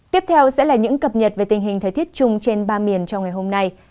tiếp theo sẽ là những cập nhật về tình hình thời tiết chung trên ba miền trong ngày hôm nay